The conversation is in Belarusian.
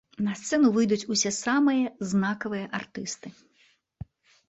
На сцэну выйдуць усе самыя знакавыя артысты.